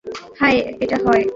হয়, এটা হয়।